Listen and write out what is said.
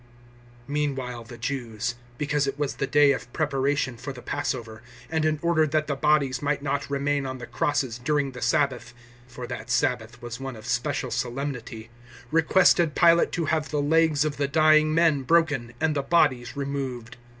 019:031 Meanwhile the Jews, because it was the day of Preparation for the Passover, and in order that the bodies might not remain on the crosses during the Sabbath (for that Sabbath was one of special solemnity), requested Pilate to have the legs of the dying men broken, and the bodies removed.